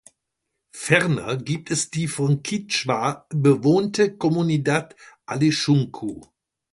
Ferner gibt es die von Kichwa bewohnte Comunidad Allishunku.